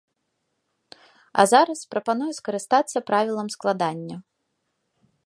А зараз прапаную скарыстацца правілам складання.